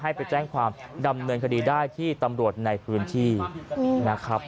ไปแจ้งความดำเนินคดีได้ที่ตำรวจในพื้นที่นะครับ